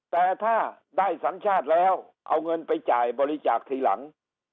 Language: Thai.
แต่ถ้าได้สัญชาติแล้วเอาเงินไปจ่ายบริจาคทีหลัง